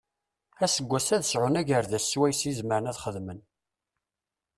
Aseggas-a ad sɛun agerdas swayes i zemren ad xedmen.